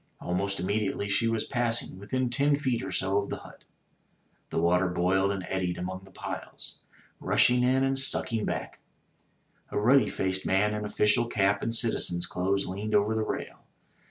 Almost immediately she was passing, within ten feet or so of the hut. The water boiled and eddied among the piles, t39 MY BOOK HOUSE rushing in and sucking back. A ruddy faced man in official cap and citizen's clothes leaned over the rail.